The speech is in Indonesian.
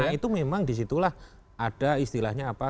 nah itu memang disitulah ada istilahnya apa